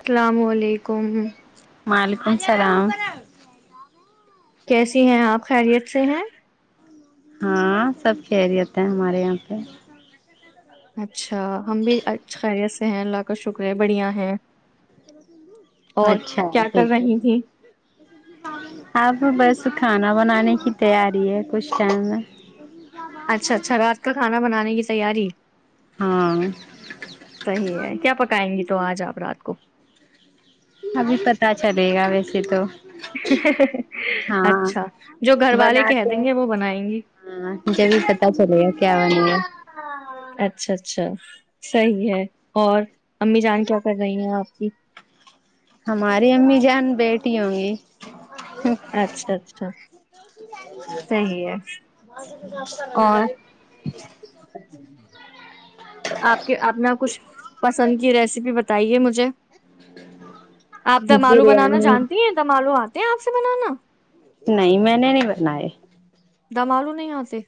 السلام علیکم اسلام کیسی ہیں آپ خیریت سے ہیں ہاں سب خیریت ہے ہمارے یہاں پہ اچا [unintelligible] اچھا ہم بھی خیریت ہیں اللہ کا شکر ہے بڑھیا ہے اچھا آ بس [unintelligible] کھانا بنانے کی تیاری ہے کچھ چین [unintelligible] اچھا اچھا رات کا کھانا بنانے کی تیاری ہاں صحیح ہے کیا پکائیں گے تو آج آپ رات کو د گا ویسے تو ہاں اچھا جو گھر والے کہ بناتے دیں ہیں گے وہ بنائیں گی ہاں جبھی پتا چلے گا کیا بنے گا اچھا اچھا صحیح ہے اور امی جان کیا کر رہی ہیں آپ کی ہماری امی جان بیٹی ہوں گی اچھا اچھا صیح ہے اور آپ کے اپنا کچھ پسند کی ریسیپی ب بتائیے مجھے آپ دمالو بنانا بریانی جانتی ہیں دمالو آتے آپ سے بنانا نہیں میں نے نہیں بناائے دمالو نہیں آتے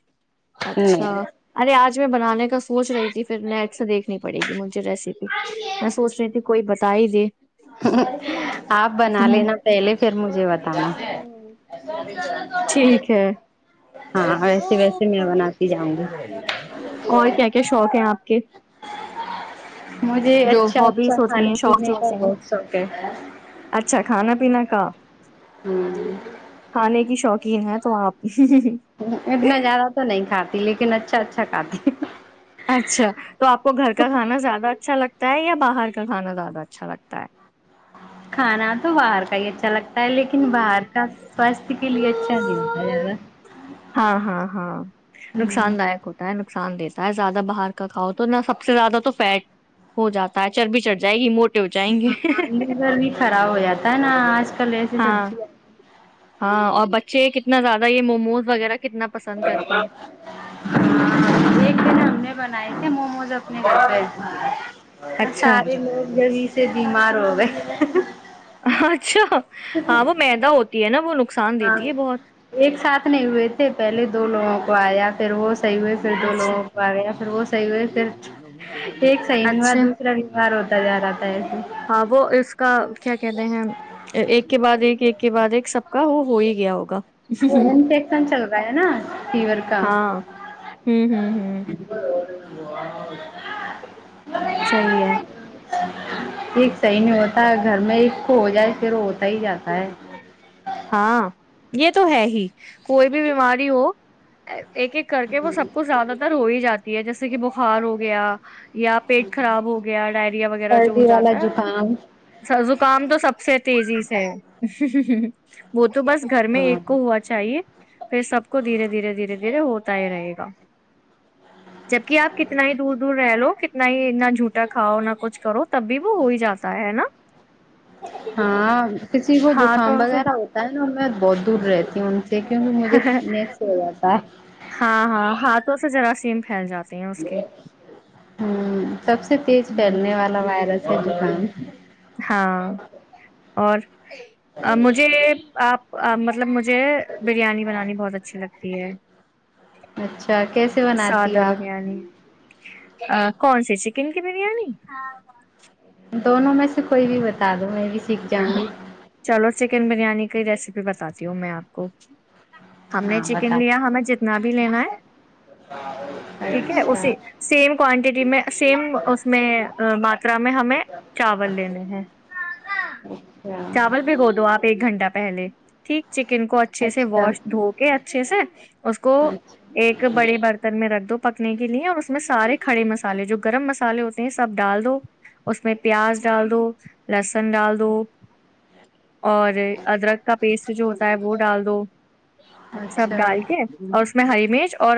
اچھا نہیں ارے آج میں بنانے کا سوچ رہی تھی پھر نیٹ سے دیکھنی پڑے گی مجھے ریسیپی میں سوچ رہی تھی کوئی بت ہی دے آپ بنا ہوں، لینا پہلے پھر مجھے بتانا ٹھیک ہے ہاں ویسے ویسے میں بناتی جاؤں گی اور کیا کیا شوق ہیں آپ کے [inaudible] مجھے جو اچھا اچھا ہابیز ہوتی کھانے ہیں شوق جو پینے کا ہوتے ہیں بہت شوق ہے ہاں ہمم یین ہے تو آپ ہی اتنا زیادہ تو نہیں کھاتا لیکن اچھا اچھا کھاتی اچھا تو آپ کو گھر کا کھانا زیادہ اچھا لگتا یا باہر کا کھانا زیادہ اچھا لگتا ہے کھانا تو باہر کا ہی اچھا لگتا ہے لیکن باہر کا سواستھ کے لیے اچھا نہیں ہوتا ہے زیادہ ہاں ہاں ہاں نقصان داک ہوتا ہے نقصان دیتا ہے زیادہ باہر کا کاؤ تو نہا سب سے زیادہ تو فیٹ ہو جاتا ہے چربی چڑھ جائے ہو جائیں گے ہاں لیگرر بھی خرا ہویا تھا ت نا آج کل ایسی ہاں سبزی ہاں اور بچے کتنے نا زیادہ یہ موموز وغیرہ کتنا پسند کرتے ہیں دیکھ د نا ہم نے ب موز اچھا سارے لوگ جی سے بیمار ہو گئے اچھا ہاں وہ مدا ہوتا ہے ن بو ہاں ایک ساتھ نہیں ہوئے تھے پہلے دو لوگوں کو کو آیا پھر وہ صحیح ہوئے پھر دو اچھا لوگوں کو آ گیا پھر وہ صحیح ہوئے پھر ایک صحی نہیںوار اچھا دوسرا ووار ہوتا جا رہا تھا ایسے ہاں وہ اس کا کیا کہتے ہیں ایک کے بعد ایک ایک کے بعد ایک سب کا وہ ہو ہی گیا ہوگا انفیکشن چل رہا ہے نا فیور کا ہ ہوں ہوں صی ہے ایک صحیح نہیں ہوتا گھر میں ایک کو ہو جائے پھر ہو ہاں یہ تو ہے ہی کوئی بھی بیماری ہو ایک ایک کر کے وہ سب کچھ زیادہ تر ہو ہی جاتا ہے جیسے کہ بخار ہو گیا یا پیٹ خراب ہو گیا ڈائریا وغیرہ جو ہو سردی والا جاتا ہے وہ زکام س زکام تو سب سب سے تیزی بہت تو بس گھر میں ہاں ایک کو ہوا چاہیے پھر سب کو دھیرے دھیرے دھیرے دھیرے ہوتا ہی رہے گا جبک آپ کتنا ہی دور دور رہ لو کتنا ہی نہ جھوٹا کھاؤ نہ کچھ کرو تب بھی وہ ہو ہی جاتا ہے ہے نا ہاں کسی کو ہاتھوں زکام سے وغیرہ ہوتا ہے نا بہت دور رہتی ہوں ان سے کیونکہ مجھے نیس ہو جاتا ہے سمھیل جاتا ہوں [unintelligible] سب سے تیز ہوں پھیلنے والا وائرس ہے زکان ہاں اور مجھے آپ مطلب مجھ مج بریانی بنانی بہت اچھی لگ ہے تی ہے اچھا کیسے بناتی ہو سادہ آپ بریانی ا کون سی چیکن بریانی دونوں میں سے کوئی بھی بتا دوں میں بھی سیکھ جاؤں گی چلو چکن بریانی کی ریسیپی بھی بتاتی ہوں میں آپ کو ہم نے ہاں چکن بتا لیا ہمیں جتنا بھی لینا ہے ٹھیک ہے اچھا اسی سیم کوانٹیٹی میں سیم اس میں ماترا میں ہمیں چاول لینے ہیں چاول بھیگو دو آپ ایک گھنٹہ پہ پہلے ٹھیک چکن کو اچھے سے اچھا واش دھو کے اچھے سے اس کو اچھا ایک بڑے برتن میں رکھ دو پکنے کے لیے اور اس میں سارے کھڑے مسالے جو گرم مسالے ہوتے ہیں سب ڈال دو اس میں پیاز ڈال دو لسن ڈال دو دو اور ادرک کا پیسٹ جو ہوتا ہے وہ ڈال دو سب اچھا ڈال کے اچھا اور اس میں ہری مرچ اور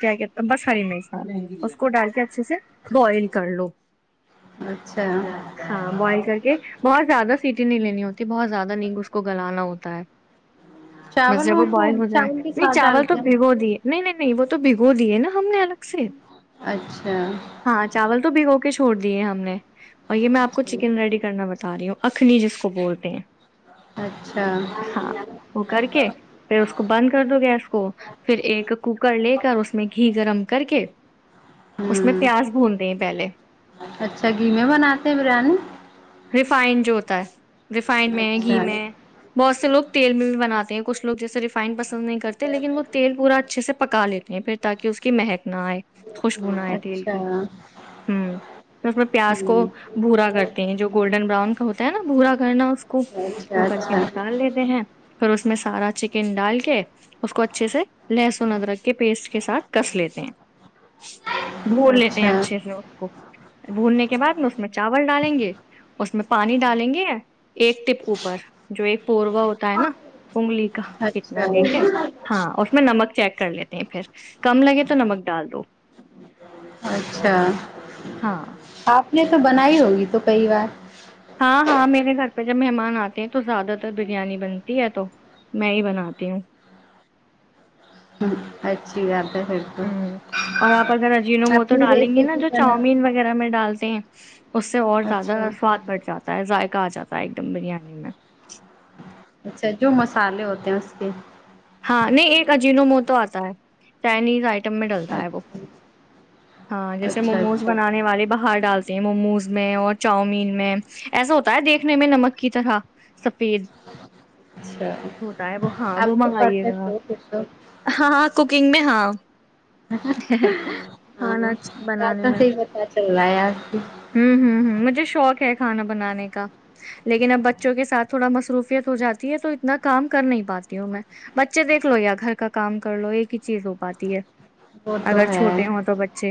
کیا کہ بس ہری مرچ اس کو ڈال کے اچھے سے بوائل کر لو اچھا ہاں بوائل کر کے زیادہ سیٹی نہیں لینی ہوتی بہت زیادہ نہی اس کو گلانا ہوتا ہے بس جب وہ چاولوں کو بوائل ہو جائے چاول کے نہیں ساتھ چاول تو ڈالتے ہیں نا اس بھگو کو دیے نہیں نہیں نہیں وہ تو تو بھگو دیے نا ہم نے الگ سے اچھا ہاں چاول تو بھگو چھوڑ دیے ہم نے اور یہ میں آپ کو چکن ریڈی کرنا بتا بتا رہی ہیں اخنی جس کو بولتے ہیں اچھا ہاں وہ کر کے پھر اس کو بند کر دو گیس کو پھر ایک کوکر لے کر اس میں گھی گرم کر کے اس میں ہوں پیاز بھون دیں پہلے اچھا گھی میں بناتے ہیں بریانی [unintelligible] ریفائنڈ میں گھی اچھا میں بہت سے لو تیل بھی بناتے ہیں کچ لو جیس ریفائن پس نہیں کرتے لیکن وہ تیل پورا اچھے سے پکا لیتے ہیں پھر تاکہ اس کی مہک خوشبونا ہے تیل اچھا کی ہ میں پیاس کو ہوں بھورا کرتے ہیں جو بران کا ہوتا ہے نا بھورا کرنا [unintelligible] کو وہ اچھا کر کے اچھا نکال لیتے ہیں پ اس میں سارا چکن ڈال کے [unintelligible] اس کو اچھے سے لہسن ادرک کے پیسٹ کے ساتھ کس لیتے ہیں بھون لیتے ہیں اچھا اچھے سے اس کو بھوننے کے بعد میں اس میں چاول ڈالیں گے اس میں پانی ڈالیں گے ایک ٹپ اوپر جو ایک پوروا ہوتا ہے نا انگلی کا اتنا اچھا لے کے ہاں اس میں نمک چیک کر لیی نہیں پھر [unintelligible] کم لگے تو نمک ڈال دو ہاں یہ تو بنائی ہوگی تو کئی بار ہاں ہاں میرے گھر پہ جب مہمان آتے ہیں تو زیادہ تر بریانی بنتی ہے تو میں ہی بناتی ہوں اچھی ہے پھر تو اور آپ اگر اجین و مو تو اپنی ڈالیں گے نا ریسیپی جو بنا کے چاؤمین وغیرہ میں ڈالتے ہیں [inaudible] اس سے اور اچھا زیادہ سواد بڑھ جاتا ہے ذائقہ آ جاتا ہے ایک دم بریانی میں اچھا جو مسالے ہوتے ہیں اس کے [inaudible] ہاں نہیں ایک اجینو مو تو آتا ہے چائنیز آ ڈ اچھا ہ جی م اچھا ب اچھا ب ڈ [unintelligible] موموز میں اور چاؤمین میں ایسا ہوتا ہے دیکھنے میں نمک کی طرح سفید اچھا ہوتا ہے وہ ہاں وہ آپ تو مگ ے پرفیکٹ گا ہو پھر تو ہاں ہاں کوکنگ میں ہاں ہاں [unintelligible] ہاں کھانا بنانے باتوں میں سے ہی پتا چل رہا ہے آپ کی ہوں ہ ہ مجھے شوق ہے کھانا بنانے کا لیکن اب بچوں کے ساتھ تھوڑا مصروفیت ہو جاتی ہے تو اتنا کام کر نہیں پاتی ہوں میں بچے دیکھ لو یا گھر کا کام کر لو ایک ہی چیز ہو پاتی ہے وہ تو اگر ہے چھوٹے ہوں تو بچے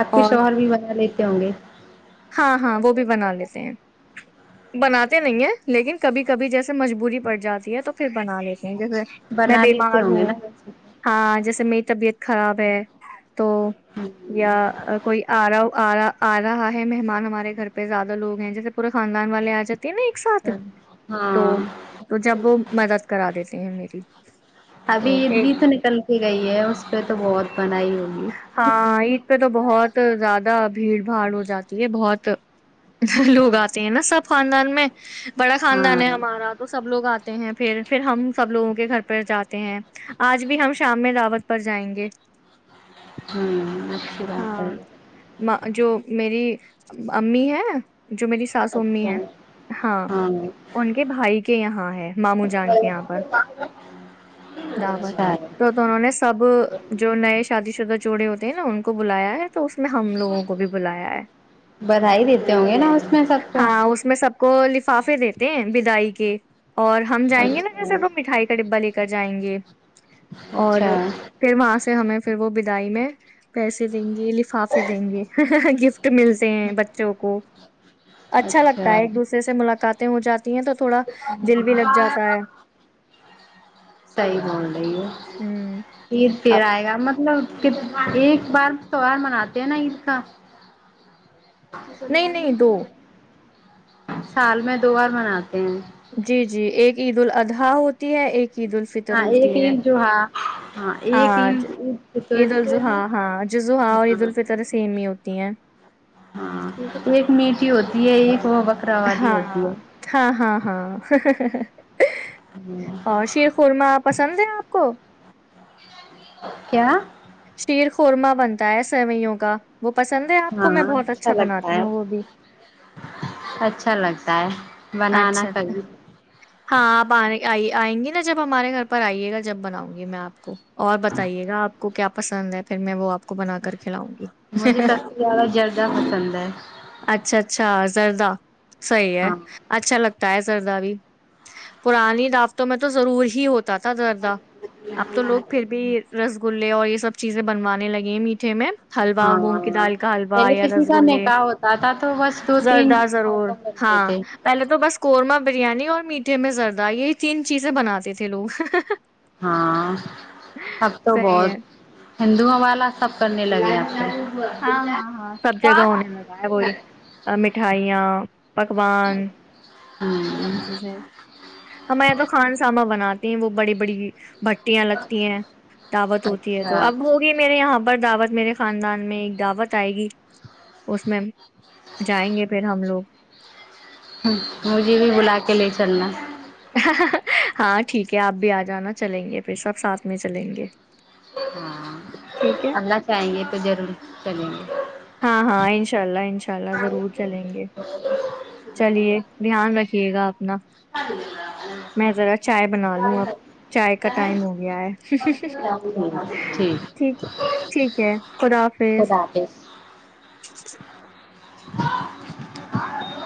آپ کے اور شوہر بھی بنا لیتے ہوں گے ہاں ہاں وہ بھی بنا لیتے ہیں بناتے نہیں ہیں لیکن کبھی کبھی جیسے مجبوری پڑ جاتی ہے تو پھر بنا لیتے جیسے میں بنا لیتے بیمار گے ہوں نا ویسے ہاں جیسے میری طبیعت خراب ہے تو یا اچھا کوئی آ رہا آ رہ آ رہا ہے مہمان ہمارے گھر پہ زیادہ لوگ ہیں جیسے پورے خاندان والے آ جاتے تھ نا ایک ساتھ تو ہاں تو جب وہ مدد کرا دیتے ہیں میری ابھی تو عید ایک بھی تو نکل کے گئی ہے اس پہ تو بہت بنائی ہوگی ہاں عید پہ تو بہت زیادہ بھیڑ بھاڑ ہو جاتی یہ بہت لوگ آتے ہیں نا سب خاندان میں بڑا خاندان ہے ہاں ہمارا تو سب لوگ آتے پھر پھر ہم سب لوگوں کے گھر پہ جاتے ہیں آج بھی ہم شام میں رعوت پر جائیں گے ہمم مکسی بات پ ہے ہاں جو میری امی ہے جو میری ساس امی اچھا ہے ہاں ان کے بھائی کے یہاں ہے ماموں جان کے یہاں پر دعوت اچھا ہے تو تو انہوں نے سب جو نئے شادی شدہ جوڑے ہوتے ہیں نا ان کو بلایا ہے تو اس میں ہم لوگوں کو بھی بلایا ہے بدھائی دیتے ہوں گے نا اس میں سب کو ہاں اس میں سب کو لفافے دیتے ہیں بدائی کے اور ہم جائیں گے نا جیسے اچھا تو مٹھائی کا ڈبا لے کے کر جائیں گے اور اچھا پھر وہاں سے ہمیں پھر وہ بدائی میں پیسے دیں گی لفافے دیں گے ملتے ہیں بچوں کو اچھا لگتا ہے ایک دوسرے سے ملاقات ہو جات صحی بول رہی ہے ہوں عید پھر آئے گا مطلب ایک بار تیوار مناتے ہیں نا عید کا ا س نہیں نانی نہیں کیا دو وال سال میں دو بار مناتے ہیں جی جی ایک عید ال ادھا ہوتی ہے عید الفطر ہاں ایک ہوتی ہے عید جو ہاں ایک ہاں عید عید فطر عید الضحا ہاں جزحا اور عید ہاں الفطر سیم ہی ہوتی تی ہیں ہاں ایک میٹ ہوتی ہے ایک وہ بکرا والی ہاں ہوتی ہے ہاں ہاں ہاں اور شیر خورما پسند ہے آپ کو کیا شیر خورما بنتا ہے سویوں کا وہ پسند ہے آپ کو ہاں میں بہت اچھا لگتا بناتی ہے ہوں وہ بھی اچھا لگتا ہے بنانا اچھا اچھا کبھی ہاں آپ آ آ آئیں گی نا جب ہمارے گھر پر آئیے گا جب بناؤں گی میں آپ کو اور بتائیے گا آپ کو کیاپ پسند ہے پھر میں وہ آپ کو بنا کر کھلاؤں گی مجھے سب سے زیادہ جردہ پسند ہے اچھا اچھا زردہ صحیح ہے ہاں اچھا لگتا تا ہے سردہ بھی پرانی داقتوں میں تو ضرور ہی ہوتی ہوتا تھا دردہ اب تو لوگ پھر بھی رس گ اور یہ سب چیزیں بنوانے لگی ہیں میٹھے میں حلوا مونگ کی ہاں دال کا حلوا پہلے یا کسی رس کا گے نکاح ہوتا تھا تو بس دو تین زردہ ضرور آئٹم بنتے ہاں تھے پہلے تو بس قورمہ بریانی اور میٹھے میں زردہ یہ تین چیزیں بناتے تھے لوگ ہاں سب تو صحیح بہت ہے ہندوؤں والا سب کرنے لگے آپ سے ہاں ہاں ہاں سب جگہ ہو نے لگا ہے وہی مٹھائیاں پکوان سب چیزیں ہمے یہاں تو کھان ساما بناتے وہ بڑی بڑی بھٹیاں لگتی ہیں دعوت ہوتی ہے تو اچھا اب ہوگی میرے یہاں پر دعوت میرے خاندان میں ایک دعوت آئے گی اس میں جائیں گے پھر ہم لوگ م جی بھی بلا کے لے چ ن ہاں ٹھیک ہے آپ بھی آ جانا چلیں گے پھر سب ساتھ میں چلیں گے ہاں ٹھیک ہے اللہ چاہیں گے تو ضرور چلیں گے ہاں ہاں ان شاء اللہ انشاء اللہ ضرور چلیں گے چلیے دھیان رکھ سے گا اپنا میں ذرا چائے بنا لوں اب چائے کا ٹائم ہو گیا ہے ٹھیک ہے ٹھیک ہے خدا حافظ خدا حافظ [inaudible]